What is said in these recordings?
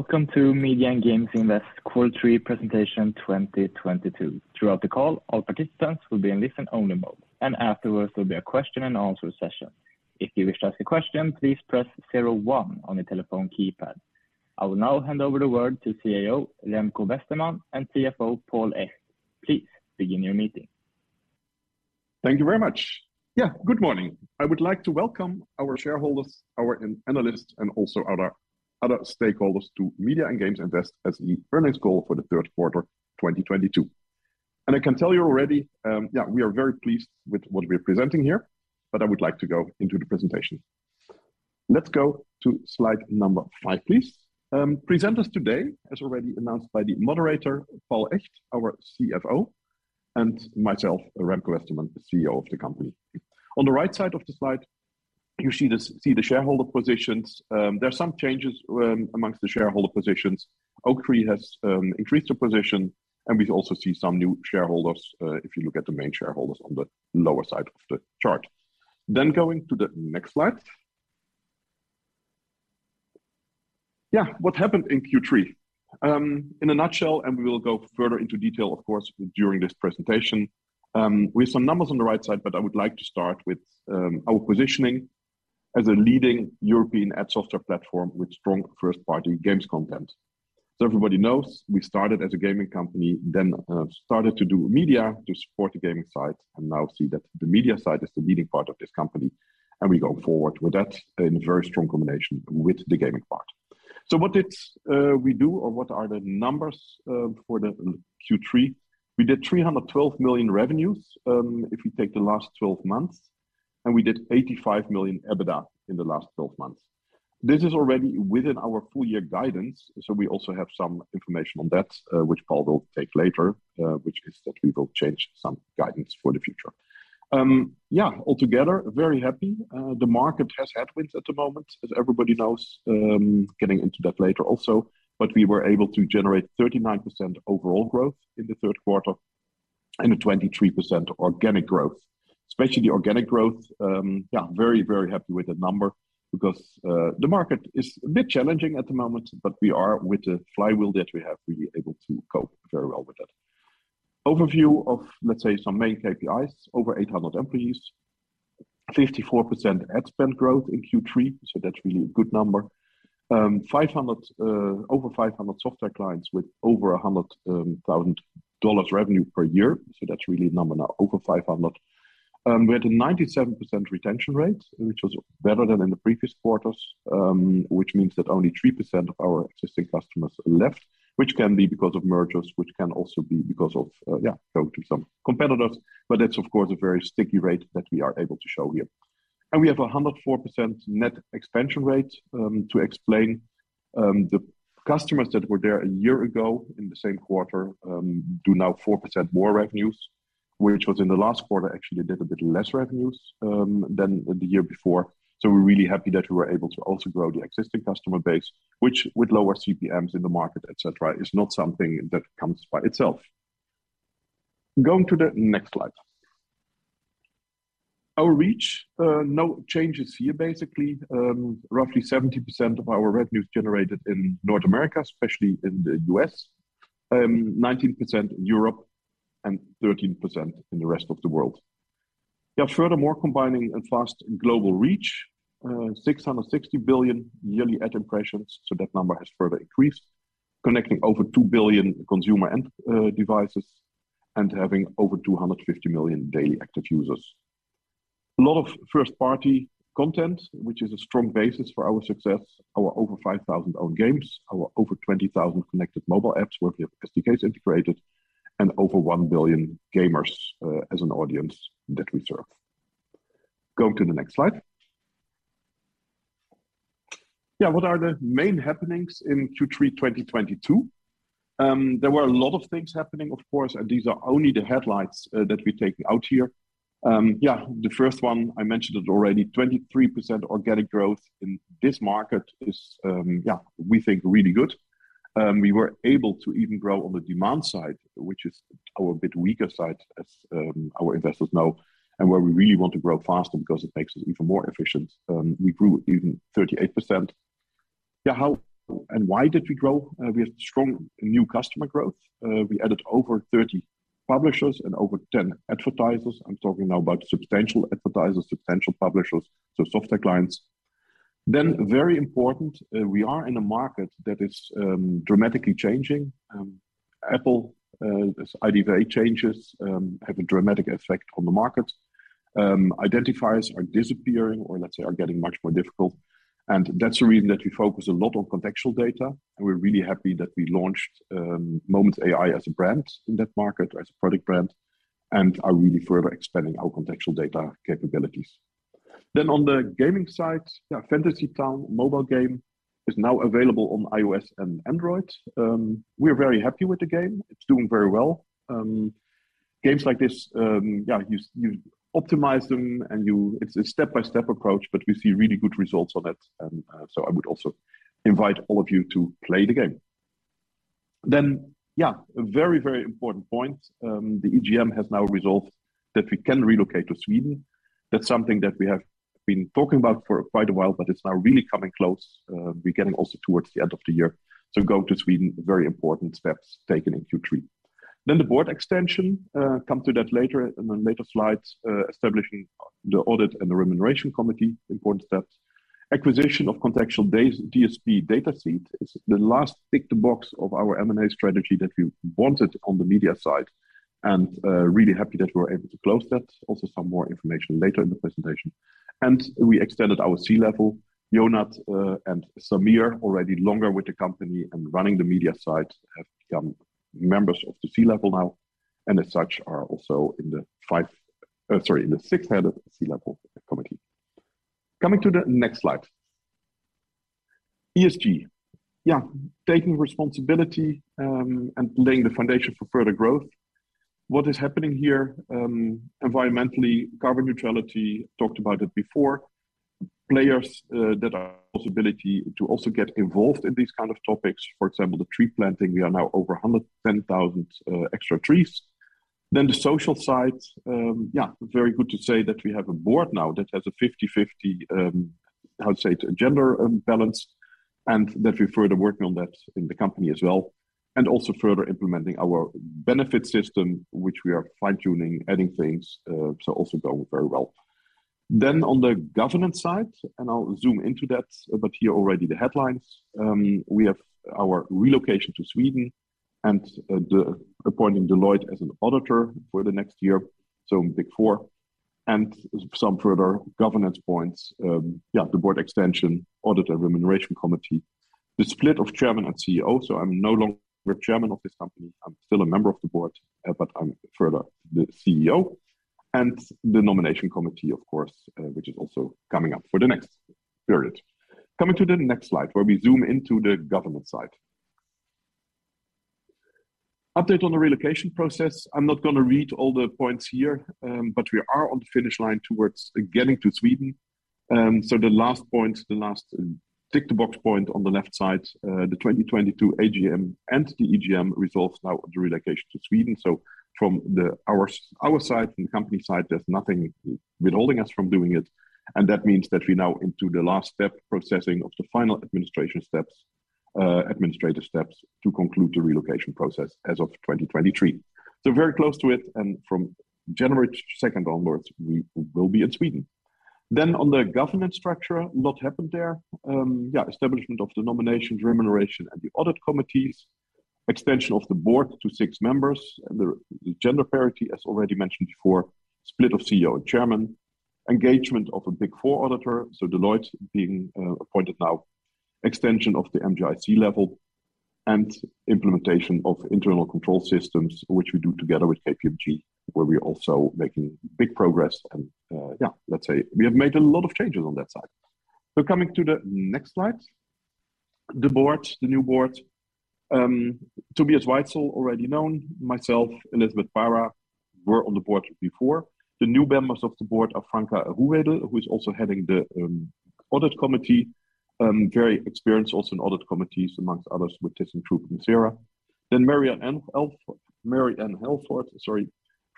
Welcome to Media and Games Invest Quarter three Presentation 2022. Throughout the call, all participants will be in listen-only mode, and afterwards there'll be a question and answer session. If you wish to ask a question, please press zero one on your telephone keypad. I will now hand over the word to CEO Remco Westermann and CFO Paul Echt. Please begin your meeting. Thank you very much. Good morning. I would like to welcome our shareholders, our analysts, and also other stakeholders to Media and Games Invest as the earnings call for the third quarter 2022. I can tell you already, we are very pleased with what we're presenting here, but I would like to go into the presentation. Let's go to slide number 5, please. Presenters today, as already announced by the moderator, Paul Echt, our CFO, and myself, Remco Westermann, the CEO of the company. On the right side of the slide, you see the shareholder positions. There are some changes amongst the shareholder positions. Oaktree has increased their position, and we also see some new shareholders, if you look at the main shareholders on the lower side of the chart. Going to the next slide. Yeah, what happened in Q3? In a nutshell, we will go further into detail, of course, during this presentation. We have some numbers on the right side, but I would like to start with our positioning as a leading European ad software platform with strong first-party games content. Everybody knows we started as a gaming company, then started to do media to support the gaming side, and now see that the media side is the leading part of this company, and we go forward with that in very strong combination with the gaming part. What did we do, or what are the numbers for Q3? We did 312 million revenues, if you take the last 12 months, and we did 85 million EBITDA in the last 12 months. This is already within our full year guidance, so we also have some information on that, which Paul will take later, which is that we will change some guidance for the future. Yeah, altogether, very happy. The market has headwinds at the moment, as everybody knows, getting into that later also. We were able to generate 39% overall growth in the third quarter and a 23% organic growth. Especially the organic growth, yeah, very, very happy with the number because, the market is a bit challenging at the moment, but we are, with the flywheel that we have, really able to cope very well with that. Overview of, let's say, some main KPIs, over 800 employees, 54% ad spend growth in Q3, so that's really a good number. Over 500 software clients with over $100,000 revenue per year, so that's really a number now, over 500. We had a 97% retention rate, which was better than in the previous quarters, which means that only 3% of our existing customers left, which can be because of mergers, which can also be because of yeah, go to some competitors. But that's of course a very sticky rate that we are able to show here. We have a 104% net expansion rate, to explain, the customers that were there a year ago in the same quarter do now 4% more revenues, which was in the last quarter actually did a bit less revenues than the year before. We're really happy that we were able to also grow the existing customer base, which with lower CPMs in the market, et cetera, is not something that comes by itself. Going to the next slide. Our reach, no changes here basically. Roughly 70% of our revenue is generated in North America, especially in the US. 19% Europe, and 13% in the rest of the world. Furthermore, combining a vast global reach, 660 billion yearly ad impressions, so that number has further increased, connecting over 2 billion consumer end devices and having over 250 million daily active users. A lot of first-party content, which is a strong basis for our success, our over 5,000 own games, our over 20,000 connected mobile apps where we have SDKs integrated, and over 1 billion gamers as an audience that we serve. Going to the next slide. Yeah, what are the main happenings in Q3 2022? There were a lot of things happening, of course, and these are only the highlights that we take out here. Yeah, the first one I mentioned it already, 23% organic growth in this market is, yeah, we think really good. We were able to even grow on the demand side, which is a bit weaker side, as our investors know, and where we really want to grow faster because it makes us even more efficient. We grew even 38%. Yeah, how and why did we grow? We have strong new customer growth. We added over 30 publishers and over 10 advertisers. I'm talking now about substantial advertisers, substantial publishers, so software clients. Very important, we are in a market that is dramatically changing. Apple, as IDFA changes, have a dramatic effect on the market. Identifiers are disappearing or let's say are getting much more difficult. That's the reason that we focus a lot on contextual data, and we're really happy that we launched Moments.AI as a brand in that market or as a product brand, and are really further expanding our contextual data capabilities. On the gaming side, yeah, Fantasy Town mobile game is now available on iOS and Android. We're very happy with the game. It's doing very well. Games like this, you optimize them. It's a step-by-step approach, but we see really good results on it. I would also invite all of you to play the game. A very, very important point, the EGM has now resolved that we can relocate to Sweden. That's something that we have been talking about for quite a while, but it's now really coming close, we're getting also towards the end of the year to go to Sweden, very important steps taken in Q3. The board extension, come to that later in the later slides, establishing the audit and the remuneration committee, important steps. Acquisition of contextual-based DSP Dataseat is the last tick the box of our M&A strategy that we wanted on the media side, and really happy that we're able to close that. Also some more information later in the presentation. We extended our C-level. Jonatan and Samir, already longer with the company and running the media side, have become members of the C-level now, and as such are also in the six-headed C-level committee. Coming to the next slide. ESG. Yeah, taking responsibility and laying the foundation for further growth. What is happening here environmentally, carbon neutrality, talked about it before. Players that have the possibility to also get involved in these kind of topics. For example, the tree planting, we are now over 110,000 extra trees. The social side, yeah, very good to say that we have a board now that has a 50/50, how to say it, gender, balance, and that we're further working on that in the company as well, and also further implementing our benefit system, which we are fine-tuning, adding things, so also going very well. On the governance side, and I'll zoom into that, but here already the headlines, we have our relocation to Sweden and the appointment of Deloitte as an auditor for the next year, so Big Four. Some further governance points, yeah, the board extension, audit and remuneration committee. The split of chairman and CEO, so I'm no longer chairman of this company. I'm still a member of the board, but I'm still the CEO. The nomination committee, of course, which is also coming up for the next period. Coming to the next slide, where we zoom into the governance side. Update on the relocation process. I'm not gonna read all the points here, but we are on the finish line towards getting to Sweden. The last point, the last tick the box point on the left side, the 2022 AGM and the EGM resolves now the relocation to Sweden. From our side, from the company side, there's nothing withholding us from doing it, and that means that we're now into the last step, processing of the final administration steps, administrative steps to conclude the relocation process as of 2023. Very close to it, and from January second onwards, we will be in Sweden. On the governance structure, a lot happened there. Establishment of the nominations, remuneration, and the audit committees. Extension of the board to six members. The gender parity, as already mentioned before. Split of CEO and chairman. Engagement of a Big Four auditor, so Deloitte being appointed now. Extension of the MGI C-level, and implementation of internal control systems, which we do together with KPMG, where we're also making big progress. Let's say we have made a lot of changes on that side. Coming to the next slide. The board, the new board. Tobias Weitzel, already known. Myself, Elizabeth Para-Mallam were on the board before. The new members of the board are Franca Ruhwedel, who is also heading the audit committee, very experienced also in audit committees, among others with ThyssenKrupp and Siemens. Mary Ann Halford, sorry,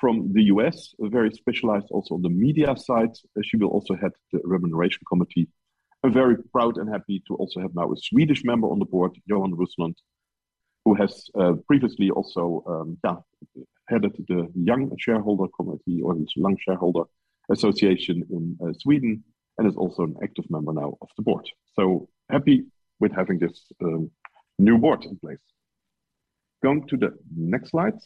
from the US, very specialized also on the media side. She will also head the remuneration committee. I'm very proud and happy to also have now a Swedish member on the board, Johan Roslund, who has previously also headed the Young Shareholder Committee, or the Young Shareholder Association in Sweden, and is also an active member now of the board. Happy with having this new board in place. Going to the next slide.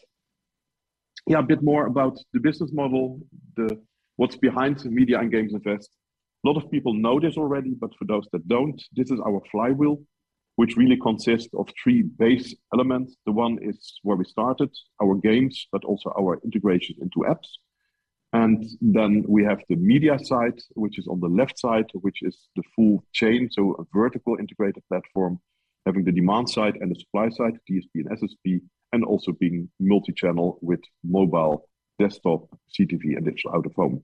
A bit more about the business model, the what's behind Media and Games Invest. A lot of people know this already, but for those that don't, this is our flywheel, which really consists of three base elements. The one is where we started, our games, but also our integration into apps. Then we have the media side, which is on the left side, which is the full chain, so a vertically integrated platform, having the demand side and the supply side, DSP and SSP, and also being multichannel with mobile, desktop, CTV, and digital out-of-home.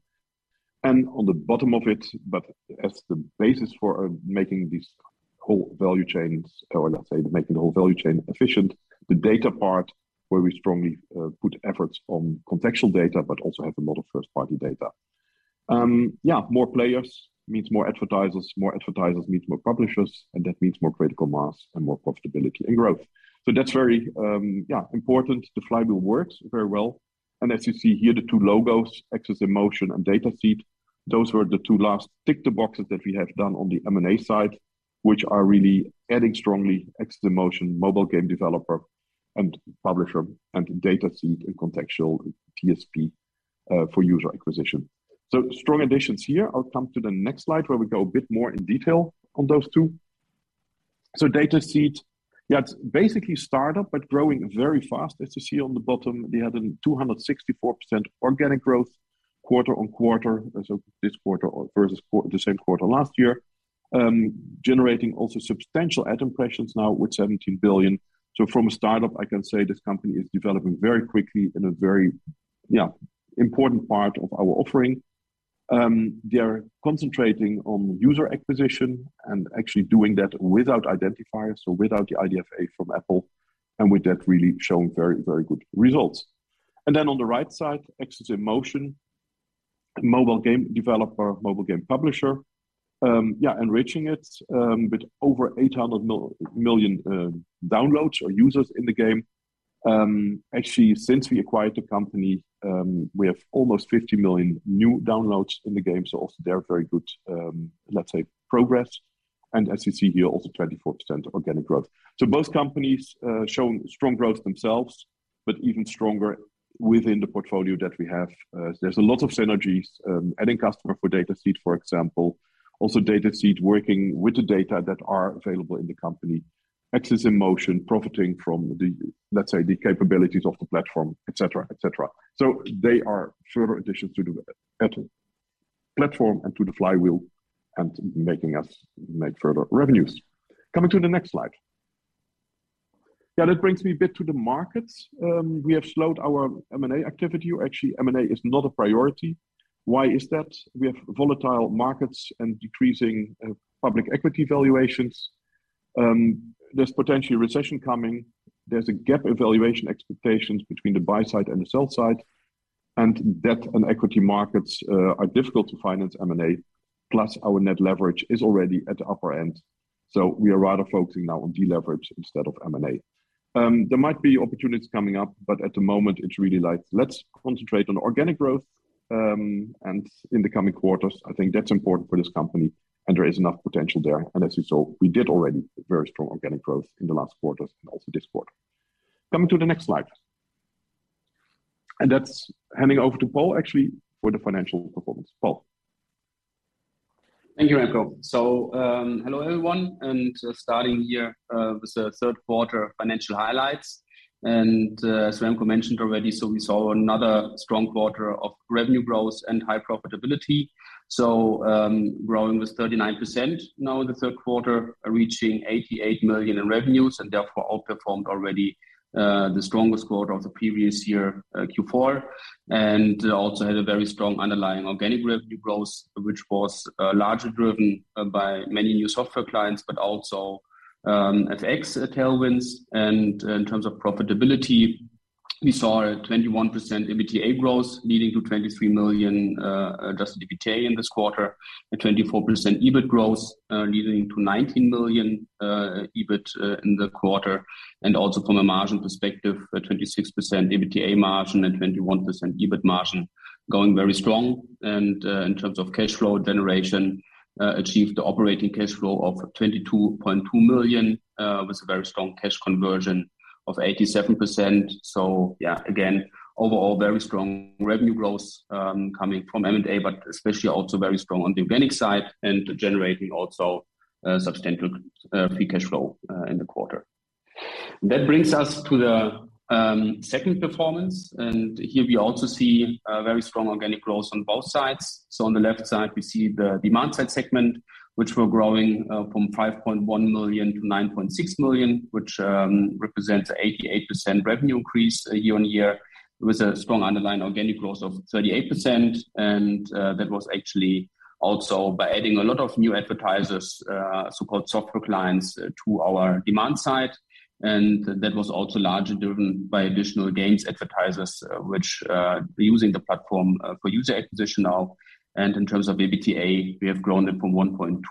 On the bottom of it, but as the basis for making these whole value chains, or let's say making the whole value chain efficient, the data part where we strongly put efforts on contextual data, but also have a lot of first-party data. More players means more advertisers, more advertisers means more publishers, and that means more critical mass and more profitability and growth. That's very important. The flywheel works very well. As you see here, the two logos, AxesInMotion and Dataseat. Those were the two last tick the boxes that we have done on the M&A side, which are really adding strongly AxesInMotion mobile game developer and publisher and Dataseat and contextual DSP for user acquisition. Strong additions here. I'll come to the next slide, where we go a bit more in detail on those two. Dataseat, yeah, it's basically startup, but growing very fast. As you see on the bottom, they had 264% organic growth quarter-over-quarter, so this quarter versus the same quarter last year. Generating also substantial ad impressions now with 17 billion. From a startup, I can say this company is developing very quickly in a very important part of our offering. They are concentrating on user acquisition and actually doing that without identifiers, so without the IDFA from Apple, and with that really showing very, very good results. Then on the right side, AxesInMotion, a mobile game developer, mobile game publisher. Enriching it with over 800 million downloads or users in the game. Actually, since we acquired the company, we have almost 50 million new downloads in the game. They are very good, let's say, progress. As you see here, also 24% organic growth. Both companies showing strong growth themselves, but even stronger within the portfolio that we have. There's a lot of synergies, adding customer for Dataseat, for example. Also, Dataseat working with the data that are available in the company. AxesInMotion profiting from the, let's say, the capabilities of the platform, et cetera, et cetera. They are further additions to the platform and to the flywheel and making us make further revenues. Coming to the next slide. Yeah, that brings me a bit to the markets. We have slowed our M&A activity. Actually, M&A is not a priority. Why is that? We have volatile markets and decreasing public equity valuations. There's potentially a recession coming. There's a gap in valuation expectations between the buy side and the sell side, and debt and equity markets are difficult to finance M&A. Plus, our net leverage is already at the upper end. We are rather focusing now on deleverage instead of M&A. There might be opportunities coming up, but at the moment it's really like, let's concentrate on organic growth, and in the coming quarters. I think that's important for this company, and there is enough potential there. As you saw, we did already very strong organic growth in the last quarters and also this quarter. Coming to the next slide. That's handing over to Paul, actually, for the financial performance. Paul. Thank you, Remco. Hello everyone, starting here with the third quarter financial highlights. As Remco mentioned already, we saw another strong quarter of revenue growth and high profitability. Growing with 39% now in the third quarter, reaching 88 million in revenues and therefore outperformed already the strongest quarter of the previous year, Q4, and also had a very strong underlying organic revenue growth, which was largely driven by many new software clients, but also FX tailwinds. In terms of profitability, we saw a 21% EBITDA growth, leading to 23 million adjusted EBITDA in this quarter. A 24% EBIT growth leading to 19 million EBIT in the quarter. Also from a margin perspective, a 26% EBITDA margin and 21% EBIT margin going very strong. In terms of cash flow generation, achieved the operating cash flow of 22.2 million with a very strong cash conversion of 87%. Yeah, again, overall very strong revenue growth coming from M&A, but especially also very strong on the organic side and generating also substantial free cash flow in the quarter. That brings us to the segment performance, and here we also see very strong organic growth on both sides. On the left side, we see the demand-side segment, which we're growing from 5.1 million-9.6 million, which represents 88% revenue increase year-on-year with a strong underlying organic growth of 38%. That was actually also by adding a lot of new advertisers, so-called software clients to our demand-side. That was also largely driven by additional games advertisers, which using the platform for user acquisition now. In terms of EBITDA, we have grown it from 1.2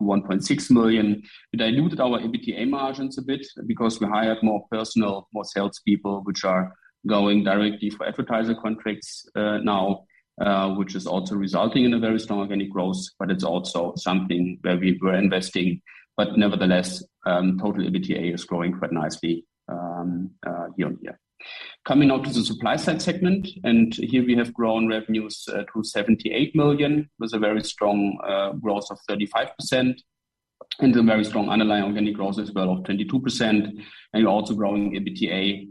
million-1.6 million. We diluted our EBITDA margins a bit because we hired more personnel, more salespeople, which are going directly for advertiser contracts now, which is also resulting in a very strong organic growth. It's also something where we were investing. Nevertheless, total EBITDA is growing quite nicely year-over-year. Coming now to the supply side segment, and here we have grown revenues to 78 million, with a very strong growth of 35% and a very strong underlying organic growth as well of 22%. Also growing EBITDA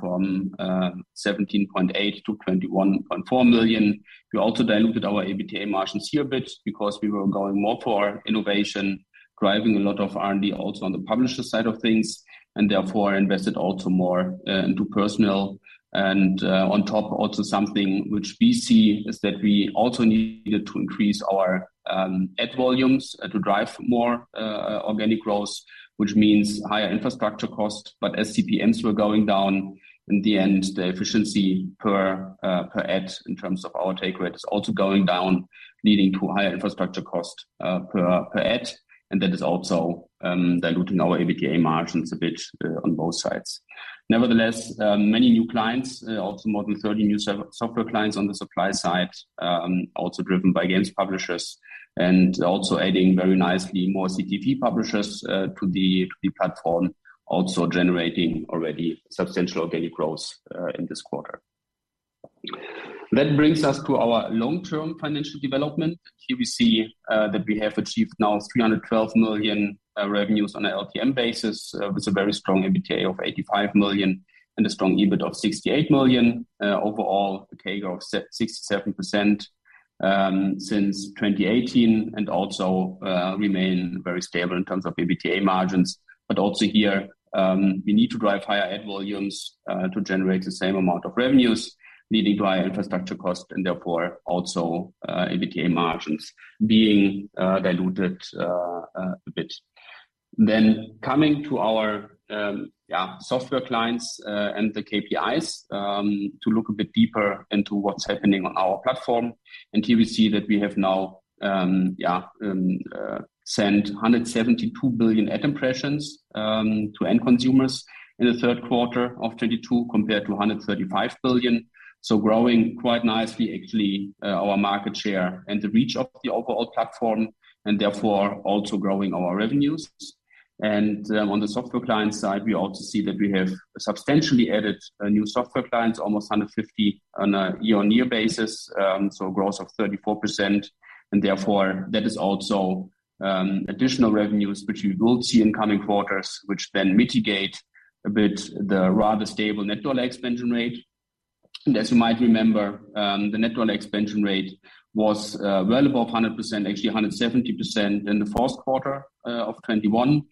from 17.8 million-21.4 million. We also diluted our EBITDA margins here a bit because we were going more for innovation, driving a lot of R&D also on the publisher side of things, and therefore invested also more into personnel. On top also something which we see is that we also needed to increase our ad volumes to drive more organic growth, which means higher infrastructure cost. As CPMs were going down, in the end, the efficiency per ad in terms of our take rate is also going down, leading to higher infrastructure cost per ad. That is also diluting our EBITDA margins a bit on both sides. Nevertheless, many new clients, also more than 30 new software clients on the supply side, also driven by games publishers and also adding very nicely more CTV publishers to the platform, also generating already substantial organic growth in this quarter. That brings us to our long-term financial development. Here we see that we have achieved now 312 million revenues on a LTM basis with a very strong EBITDA of 85 million and a strong EBIT of 68 million. Overall, a CAGR of 67% since 2018 and also remain very stable in terms of EBITDA margins. Also here, we need to drive higher ad volumes to generate the same amount of revenues, leading to higher infrastructure costs and therefore also EBITDA margins being diluted a bit. Coming to our software clients and the KPIs to look a bit deeper into what's happening on our platform. Here we see that we have now sent 172 billion ad impressions to end consumers in the third quarter of 2022 compared to 135 billion. Growing quite nicely actually our market share and the reach of the overall platform, and therefore also growing our revenues. On the software client side, we also see that we have substantially added new software clients, almost 150 on a year-on-year basis, so growth of 34%. Therefore that is also additional revenues which we will see in coming quarters, which then mitigate a bit the rather stable net dollar expansion rate. As you might remember, the net dollar expansion rate was, well above 100%, actually 170% in the first quarter of 2021,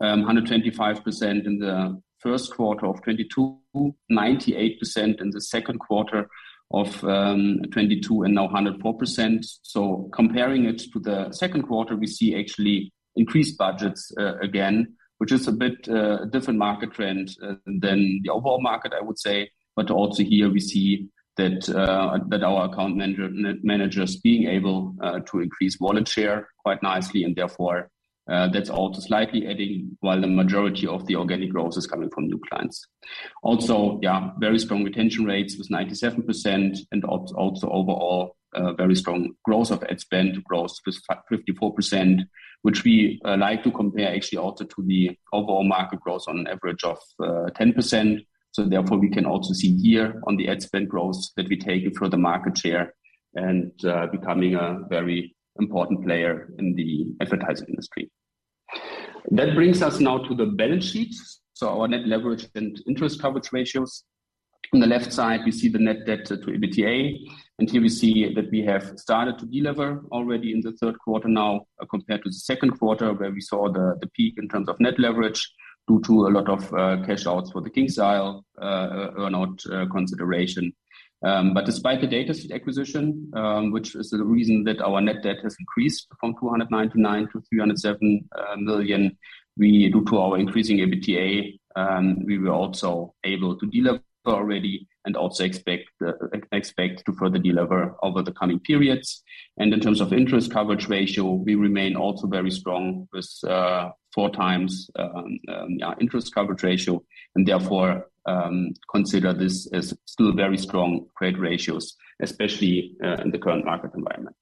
125% in the first quarter of 2022, 98% in the second quarter of 2022, and now 104%. Comparing it to the second quarter, we see actually increased budgets, again, which is a bit, different market trend, than the overall market, I would say. Also here we see that our account managers being able to increase wallet share quite nicely and therefore, that's also slightly adding while the majority of the organic growth is coming from new clients. Yeah, very strong retention rates with 97% and also overall, very strong growth of ad spend growth with 54%, which we like to compare actually also to the overall market growth on average of 10%. Therefore, we can also see here on the ad spend growth that we're taking market share and becoming a very important player in the advertising industry. That brings us now to the balance sheets, so our net leverage and interest coverage ratios. On the left side, we see the net debt to EBITDA. Here we see that we have started to delever already in the third quarter now, compared to the second quarter where we saw the peak in terms of net leverage due to a lot of cash outs for the KingsIsle earn out consideration. Despite the Dataseat acquisition, which is the reason that our net debt has increased from 299 million-307 million, due to our increasing EBITDA, we were also able to delever already and also expect to further delever over the coming periods. In terms of interest coverage ratio, we remain also very strong with 4x interest coverage ratio and therefore consider this as still very strong credit ratios, especially in the current market environment.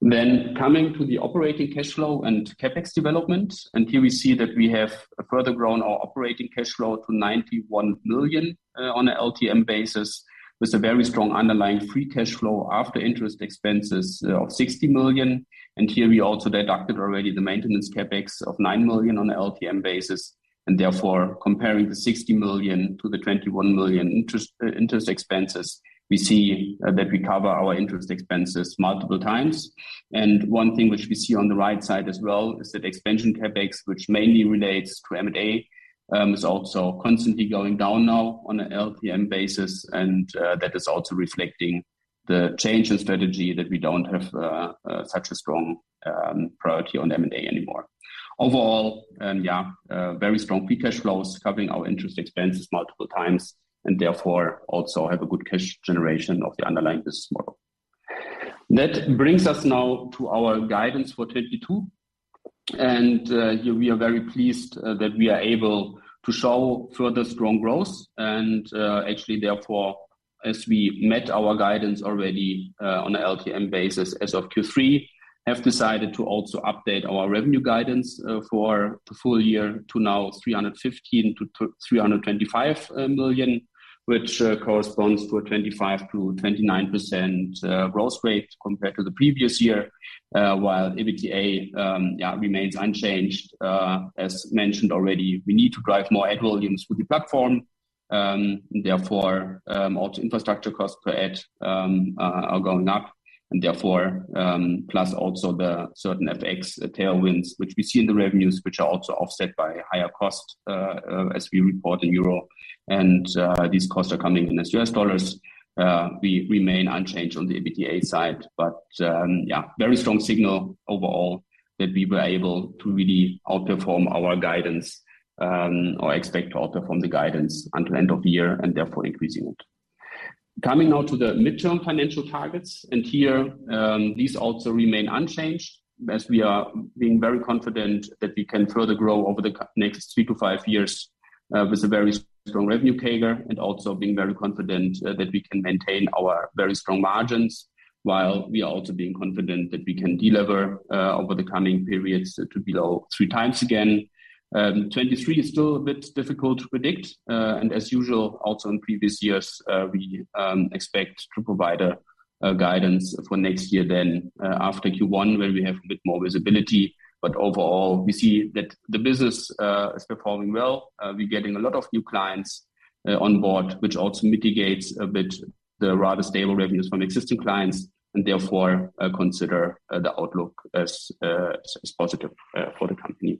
Coming to the operating cash flow and CapEx development. Here we see that we have further grown our operating cash flow to 91 million on a LTM basis, with a very strong underlying free cash flow after interest expenses of 60 million. Here we also deducted already the maintenance CapEx of 9 million on a LTM basis. Therefore, comparing the 60 million to the 21 million interest expenses, we see that we cover our interest expenses multiple times. One thing which we see on the right side as well is that expansion CapEx, which mainly relates to M&A, is also constantly going down now on a LTM basis. That is also reflecting the change in strategy that we don't have such a strong priority on M&A anymore. Overall, very strong free cash flows covering our interest expenses multiple times and therefore also have a good cash generation of the underlying business model. That brings us now to our guidance for 2022. Here we are very pleased that we are able to show further strong growth. Actually therefore, as we met our guidance already on a LTM basis as of Q3, have decided to also update our revenue guidance for the full year to now 315 million-325 million, which corresponds to a 25%-29% growth rate compared to the previous year. While EBITDA remains unchanged. As mentioned already, we need to drive more ad volumes with the platform, and therefore, also infrastructure costs per ad are going up and therefore, plus also the certain FX tailwinds which we see in the revenues, which are also offset by higher costs, as we report in euro and, these costs are coming in as US dollars. We remain unchanged on the EBITDA side. Yeah, very strong signal overall that we were able to really outperform our guidance, or expect to outperform the guidance until end of the year and therefore increasing it. Coming now to the midterm financial targets. Here, these also remain unchanged as we are being very confident that we can further grow over the next 3-5 years, with a very strong revenue CAGR, and also being very confident, that we can maintain our very strong margins while we are also being confident that we can delever, over the coming periods, to below 3x again. 2023 is still a bit difficult to predict. As usual also in previous years, we expect to provide a guidance for next year then, after Q1 when we have a bit more visibility. But overall, we see that the business is performing well. We're getting a lot of new clients on board, which also mitigates a bit The rather stable revenues from existing clients and therefore consider the outlook as positive for the company.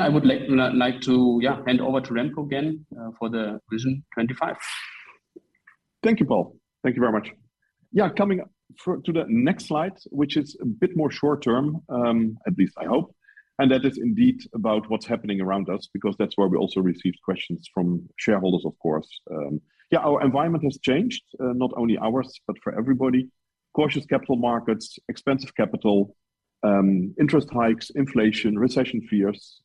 I would like to hand over to Remco again for the Vision 25. Thank you, Paul. Thank you very much. Yeah, coming up to the next slide, which is a bit more short-term, at least I hope. That is indeed about what's happening around us because that's where we also received questions from shareholders, of course. Yeah, our environment has changed, not only ours, but for everybody. Cautious capital markets, expensive capital, interest hikes, inflation, recession fears.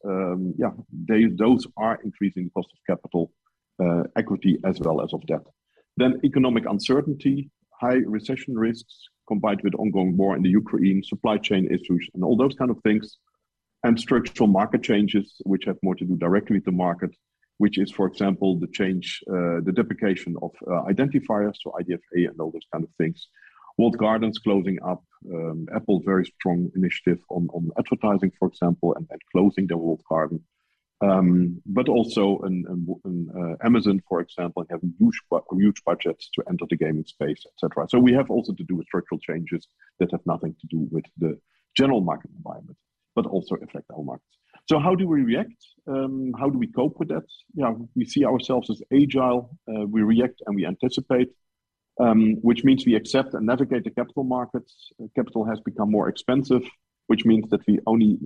Yeah, those are increasing cost of capital, equity as well as of debt. Economic uncertainty, high recession risks combined with ongoing war in Ukraine, supply chain issues, and all those kind of things. Structural market changes which have more to do directly with the market, which is for example, the change, the deprecation of identifiers, so IDFA and all those kind of things. Walled gardens closing up. Apple, very strong initiative on advertising, for example, and closing their walled garden. But also Amazon, for example, have huge budgets to enter the gaming space, et cetera. We have also to do with structural changes that have nothing to do with the general market environment, but also affect our markets. How do we react? How do we cope with that? You know, we see ourselves as agile. We react and we anticipate, which means we accept and navigate the capital markets. Capital has become more expensive, which means that we only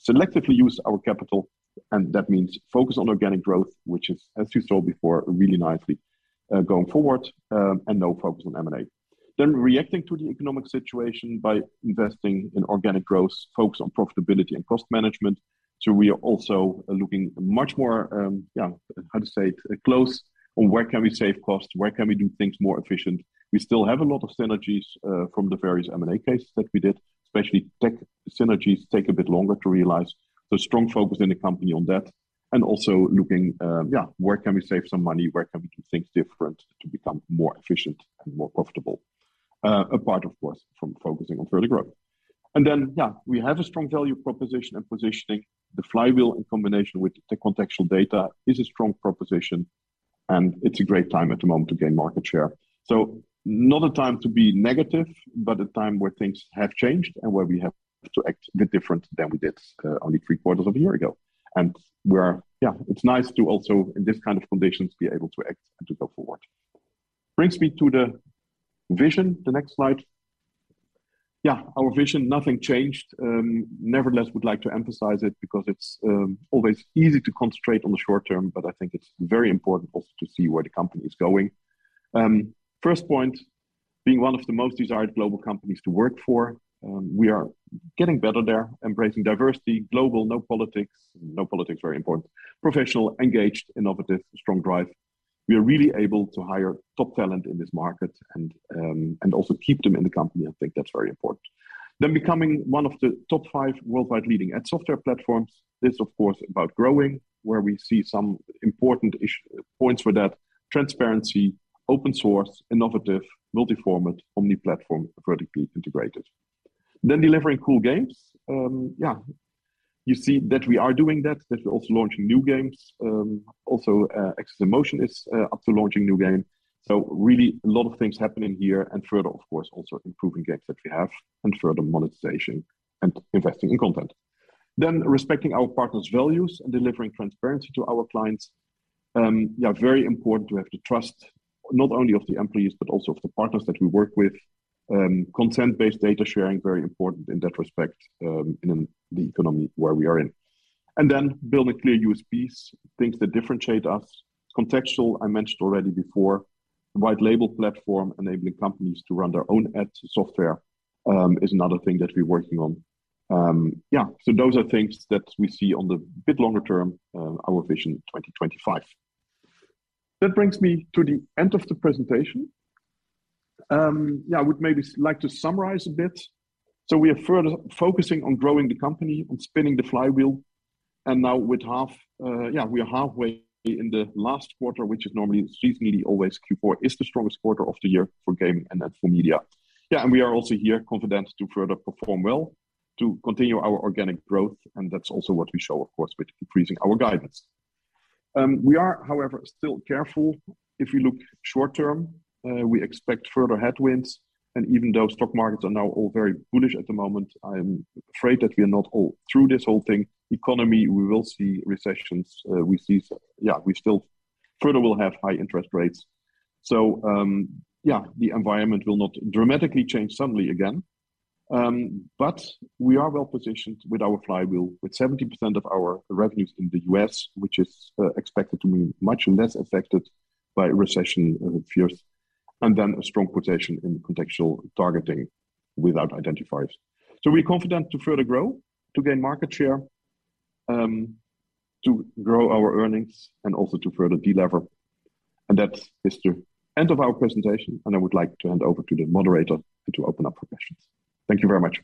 selectively use our capital, and that means focus on organic growth, which is, as you saw before, really nicely going forward, and no focus on M&A. Reacting to the economic situation by investing in organic growth, focus on profitability and cost management. We are also looking much more closely on where can we save costs, where can we do things more efficient. We still have a lot of synergies from the various M&A cases that we did, especially tech synergies take a bit longer to realize. Strong focus in the company on that. Also looking where can we save some money? Where can we do things different to become more efficient and more profitable? Apart from, of course, focusing on further growth. We have a strong value proposition and positioning. The flywheel in combination with the contextual data is a strong proposition, and it's a great time at the moment to gain market share. Not a time to be negative, but a time where things have changed and where we have to act a bit different than we did only three quarters of a year ago. It's nice to also, in this kind of conditions, be able to act and to go forward. Brings me to the vision, the next slide. Our vision, nothing changed. Nevertheless, would like to emphasize it because it's always easy to concentrate on the short term, but I think it's very important also to see where the company is going. First point, being one of the most desired global companies to work for, we are getting better there. Embracing diversity, global, no politics. No politics, very important. Professional, engaged, innovative, strong drive. We are really able to hire top talent in this market and also keep them in the company. I think that's very important. Becoming one of the top five worldwide leading ad software platforms is of course about growing, where we see some important points for that. Transparency, open source, innovative, multi-format, omni-platform, vertically integrated. Delivering cool games. Yeah, you see that we are doing that we're also launching new games. Also, AxesInMotion is up to launching new game. Really a lot of things happening here. Further, of course, also improving games that we have and further monetization and investing in content. Respecting our partners' values and delivering transparency to our clients, yeah, very important to have the trust not only of the employees, but also of the partners that we work with. Content-based data sharing, very important in that respect, in the economy where we are in. Then build a clear USPs, things that differentiate us. Contextual, I mentioned already before. White label platform, enabling companies to run their own ad software, is another thing that we're working on. Yeah, those are things that we see a bit longer term, our vision 2025. That brings me to the end of the presentation. Yeah, I would maybe like to summarize a bit. We are further focusing on growing the company, on spinning the flywheel. Now we are halfway in the last quarter, which is normally, historically always Q4 is the strongest quarter of the year for gaming and ad for media. We are also here confident to further perform well, to continue our organic growth, and that's also what we show, of course, with increasing our guidance. We are, however, still careful. If you look short term, we expect further headwinds, and even though stock markets are now all very bullish at the moment, I'm afraid that we are not all through this whole thing. Economy, we will see recessions. We still further will have high interest rates. The environment will not dramatically change suddenly again. But we are well-positioned with our flywheel, with 70% of our revenues in the U.S., which is expected to be much less affected by recession fears, and then a strong position in contextual targeting without identifiers. We're confident to further grow, to gain market share, to grow our earnings and also to further delever. That is the end of our presentation, and I would like to hand over to the moderator to open up for questions. Thank you very much.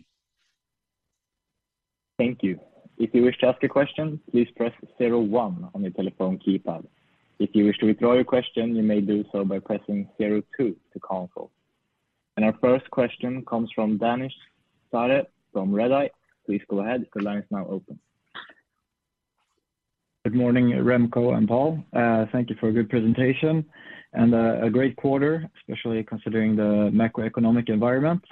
Thank you. If you wish to ask a question, please press zero-one on your telephone keypad. If you wish to withdraw your question, you may do so by pressing zero-two to cancel. Our first question comes from Danesh Zare from Redeye. Please go ahead. The line is now open. Good morning, Remco and Paul. Thank you for a good presentation and a great quarter, especially considering the macroeconomic environment.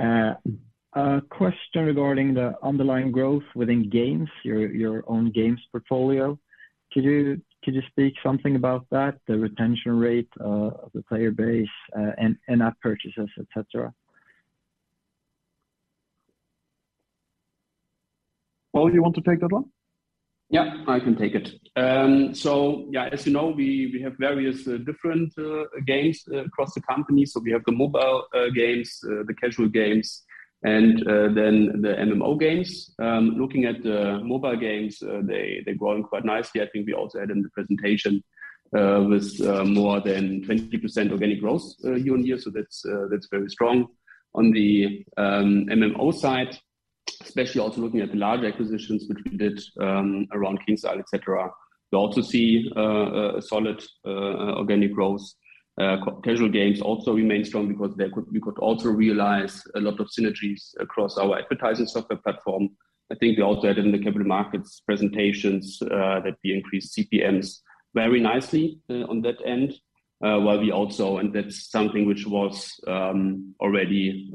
A question regarding the underlying growth within games, your own games portfolio. Could you speak something about that, the retention rate of the player base and in-app purchases, et cetera? Paul, you want to take that one? Yeah, I can take it. As you know, we have various different games across the company. We have the mobile games, the casual games and then the MMO games. Looking at the mobile games, they're growing quite nicely. I think we also had in the presentation with more than 22% organic growth year-on-year. That's very strong. On the MMO side, especially also looking at the large acquisitions which we did around KingsIsle, etc. We also see a solid organic growth. Casual games also remain strong because we could also realize a lot of synergies across our advertising software platform. I think we also had in the capital markets presentations that we increased CPMs very nicely on that end. That's something which was already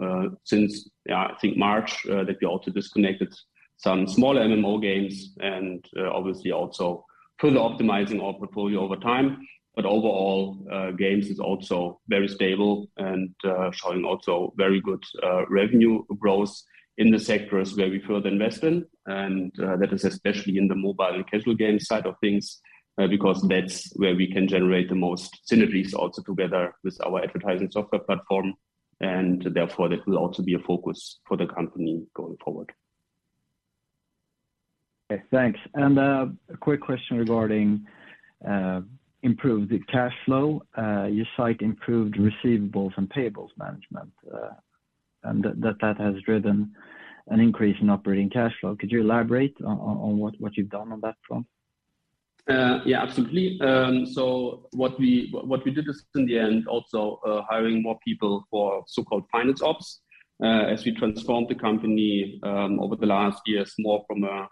since I think March that we also disconnected some smaller MMO games and obviously also further optimizing our portfolio over time. Overall, games is also very stable and showing also very good revenue growth in the sectors where we further invest in. That is especially in the mobile and casual game side of things because that's where we can generate the most synergies also together with our advertising software platform and therefore that will also be a focus for the company going forward. Okay, thanks. A quick question regarding improved cash flow. You cite improved receivables and payables management, and that has driven an increase in operating cash flow. Could you elaborate on what you've done on that front? Yeah, absolutely. What we did is in the end also hiring more people for so-called finance ops. As we transformed the company over the last years more from a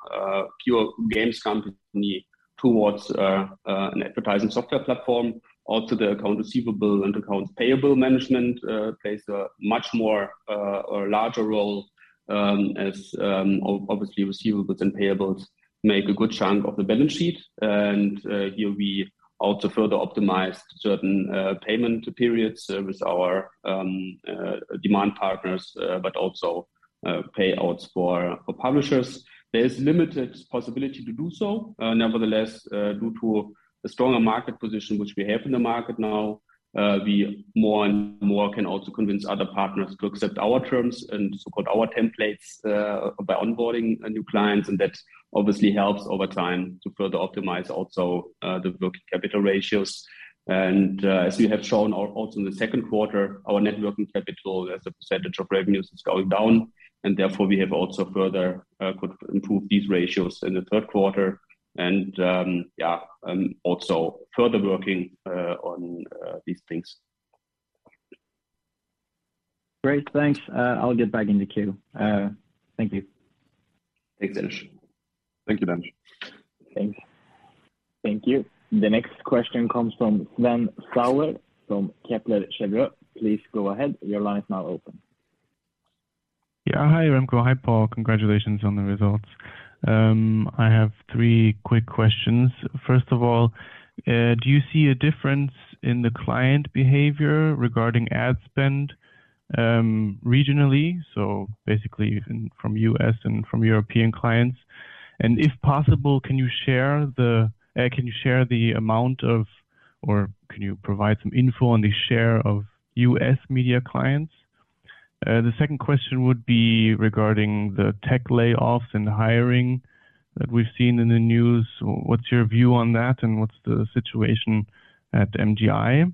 pure games company towards an advertising software platform, also the accounts receivable and accounts payable management plays a much more or larger role, as obviously receivables and payables make a good chunk of the balance sheet. Here we also further optimized certain payment periods with our demand partners, but also payouts for publishers. There is limited possibility to do so. Nevertheless, due to a stronger market position which we have in the market now, we more and more can also convince other partners to accept our terms and so-called our templates, by onboarding new clients, and that obviously helps over time to further optimize also the working capital ratios. As we have shown also in the second quarter, our net working capital as a percentage of revenues is going down, and therefore we have also further could improve these ratios in the third quarter. Further working on these things. Great. Thanks. I'll get back in the queue. Thank you. Thanks. Thank you, Dan. Thanks. Thank you. The next question comes from Sven Sauer from Kepler Cheuvreux. Please go ahead. Your line is now open. Yeah. Hi, Remco. Hi, Paul. Congratulations on the results. I have three quick questions. First of all, do you see a difference in the client behavior regarding ad spend, regionally? So basically from U.S. and from European clients. If possible, can you share the amount of, or can you provide some info on the share of U.S. media clients? The second question would be regarding the tech layoffs and hiring that we've seen in the news. What's your view on that, and what's the situation at MGI?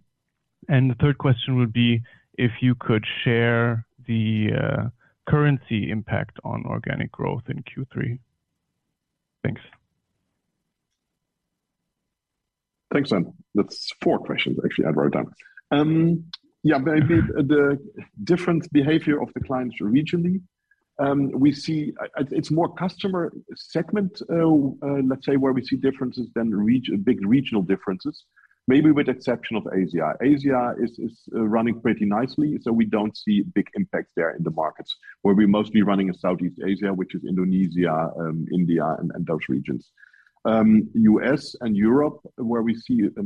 The third question would be if you could share the currency impact on organic growth in Q3. Thanks. Thanks, Sven. That's four questions, actually, I wrote down. Yeah, maybe the different behavior of the clients regionally. It's more customer segment, let's say, where we see differences than big regional differences, maybe with the exception of Asia. Asia is running pretty nicely, so we don't see big impacts there in the markets, where we're mostly running in Southeast Asia, which is Indonesia, India and those regions. US and Europe, where we see a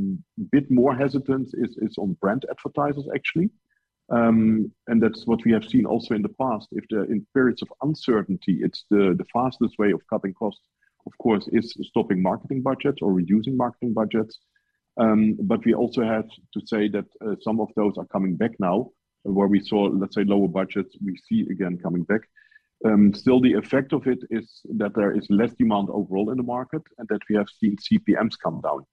bit more hesitance, is on brand advertisers actually. And that's what we have seen also in the past. In periods of uncertainty, it's the fastest way of cutting costs, of course, is stopping marketing budgets or reducing marketing budgets. We also have to say that some of those are coming back now, where we saw, let's say, lower budgets we see again coming back. Still the effect of it is that there is less demand overall in the market and that we have seen CPMs come down.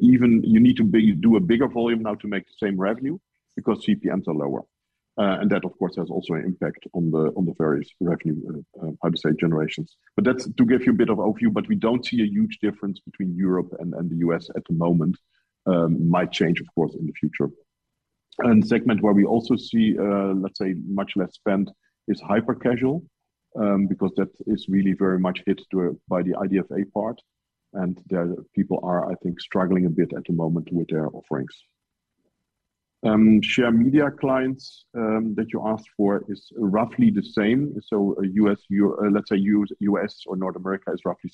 Even you need to build a bigger volume now to make the same revenue because CPMs are lower. That of course has also an impact on the various revenue, how to say, generations. That's to give you a bit of overview, but we don't see a huge difference between Europe and the US at the moment. Might change of course in the future. Segment where we also see, let's say much less spend is hyper-casual, because that is really very much hit by the IDFA part. The people are, I think, struggling a bit at the moment with their offerings. Share of media clients that you asked for is roughly the same. A US, let's say US or North America is roughly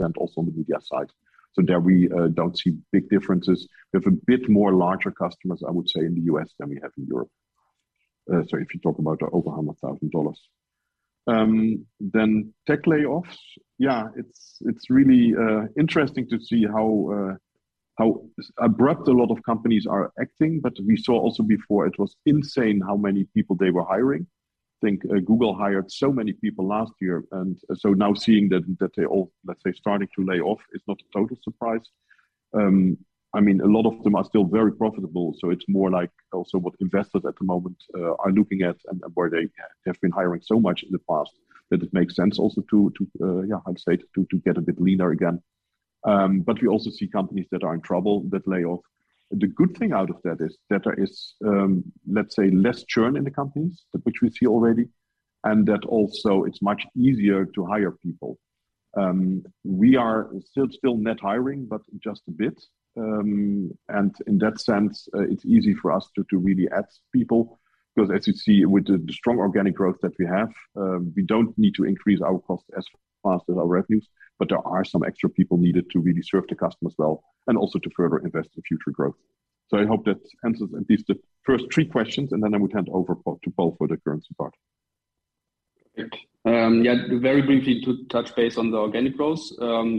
70% also on the media side. There we don't see big differences. We have a bit more larger customers, I would say, in the US than we have in Europe. So if you talk about over $100,000. Then tech layoffs. Yeah. It's really interesting to see how abrupt a lot of companies are acting. We saw also before, it was insane how many people they were hiring. I think Google hired so many people last year, now seeing that they all, let's say, starting to lay off is not a total surprise. I mean, a lot of them are still very profitable, so it's more like also what investors at the moment are looking at and where they have been hiring so much in the past that it makes sense also to get a bit leaner again. We also see companies that are in trouble that lay off. The good thing out of that is that there is, let's say, less churn in the companies, which we see already, and that also it's much easier to hire people. We are still net hiring, but just a bit. In that sense, it's easy for us to really add people, because as you see with the strong organic growth that we have, we don't need to increase our costs as fast as our revenues. There are some extra people needed to really serve the customers well and also to further invest in future growth. I hope that answers at least the first three questions, and then I would hand over to Paul for the currency part. Great. Yeah, very briefly to touch base on the organic growth.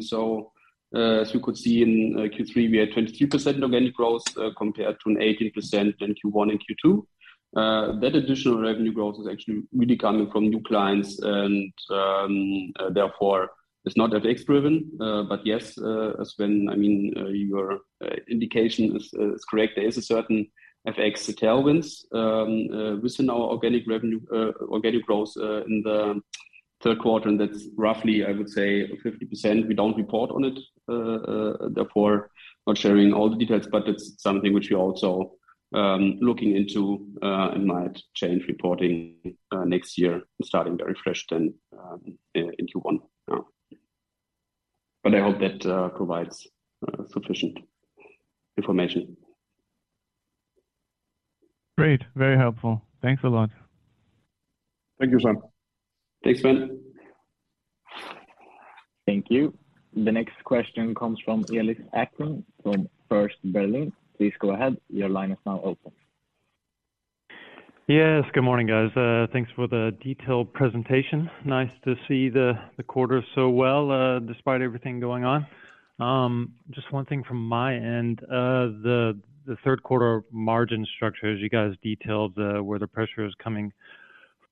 So, as you could see in Q3, we had 22% organic growth, compared to an 18% in Q1 and Q2. That additional revenue growth is actually really coming from new clients and, therefore it's not FX driven. But yes, Sven, I mean, your indication is correct. There is a certain FX tailwinds within our organic growth in the third quarter, and that's roughly, I would say, 50%. We don't report on it, therefore not sharing all the details, but that's something which we're also looking into and might change reporting next year, starting very fresh then in Q1. Yeah. I hope that provides sufficient information. Great. Very helpful. Thanks a lot. Thank you, Sven. Thanks, Sven. Thank you. The next question comes from Alex Ackermann from First Berlin. Please go ahead. Your line is now open. Yes. Good morning, guys. Thanks for the detailed presentation. Nice to see the quarter so well, despite everything going on. Just one thing from my end. The third quarter margin structure, as you guys detailed, where the pressure is coming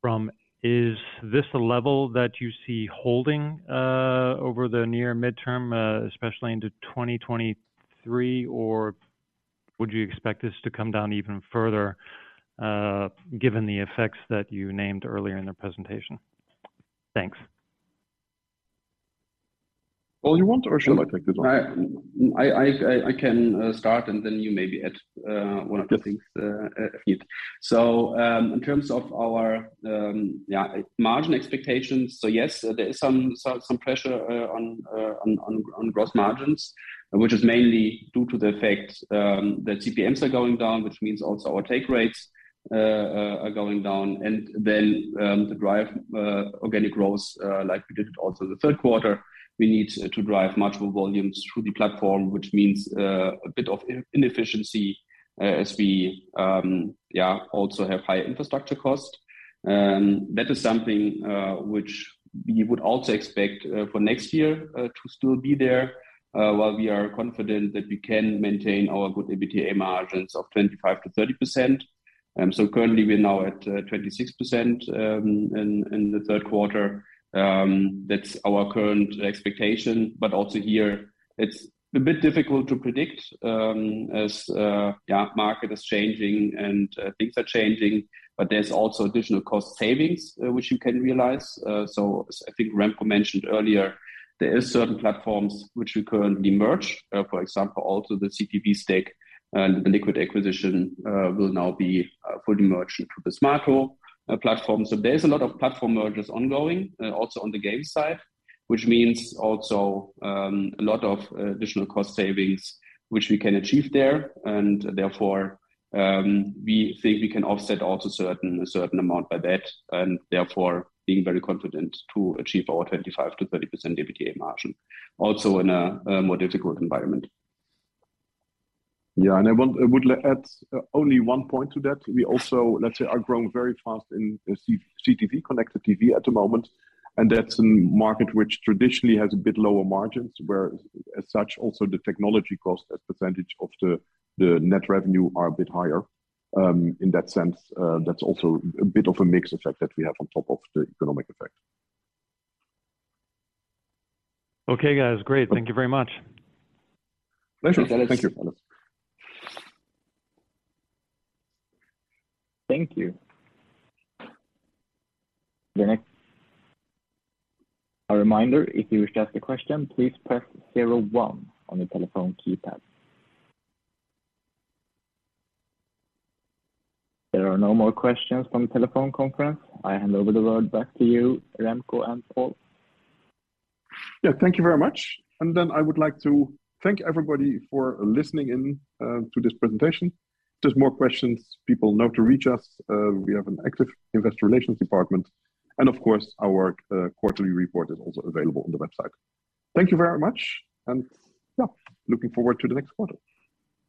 from, is this a level that you see holding over the near midterm, especially into 2023? Or would you expect this to come down even further, given the effects that you named earlier in the presentation? Thanks. Paul, you want or shall I take this one? I can start and then you maybe add one of the things if need. In terms of our margin expectations, yes, there is some pressure on gross margins, which is mainly due to the fact that CPMs are going down, which means also our take rates are going down. To drive organic growth like we did also the third quarter, we need to drive much more volumes through the platform, which means a bit of inefficiency as we also have high infrastructure costs. That is something which we would also expect for next year to still be there. While we are confident that we can maintain our good EBITDA margins of 25%-30%. Currently we're now at 26% in the third quarter. That's our current expectation, but also here it's a bit difficult to predict, as yeah market is changing and things are changing, but there's also additional cost savings which you can realize. I think Remco mentioned earlier there is certain platforms which we currently merge. For example, also the CTV Stack, the Smaato acquisition, will now be fully merged into the Smaato platform. There's a lot of platform mergers ongoing, also on the game side, which means also a lot of additional cost savings which we can achieve there. Therefore, we think we can offset also a certain amount by that, and therefore being very confident to achieve our 25%-30% EBITDA margin also in a more difficult environment. Yeah. I would like to add only one point to that. We also, let's say, are growing very fast in the CTV, connected TV at the moment, and that's a market which traditionally has a bit lower margins, whereas such also the technology costs as percentage of the net revenue are a bit higher. In that sense, that's also a bit of a mix effect that we have on top of the economic effect. Okay, guys. Great. Thank you very much. Pleasure. Thank you. Thank you. Thank you. A reminder, if you wish to ask a question, please press zero one on your telephone keypad. There are no more questions from the telephone conference. I hand over the word back to you, Remco and Paul. Yeah. Thank you very much. I would like to thank everybody for listening in to this presentation. If there's more questions, people know to reach us. We have an active investor relations department, and of course, our quarterly report is also available on the website. Thank you very much and, yeah, looking forward to the next quarter.